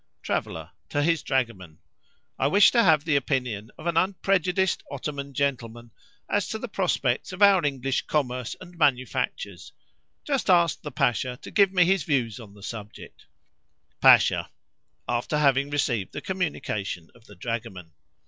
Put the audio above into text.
Traveller (to his dragoman).—I wish to have the opinion of an unprejudiced Ottoman gentleman as to the prospects of our English commerce and manufactures; just ask the Pasha to give me his views on the subject. Pasha (after having received the communication of the dragoman).